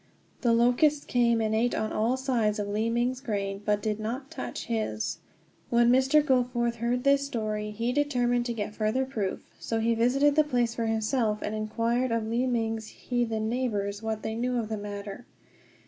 The locusts came and ate on all sides of Li ming's grain, but did not touch his. When Mr. Goforth heard this story he determined to get further proof, so he visited the place for himself, and inquired of Li ming's heathen neighbors what they knew of the matter.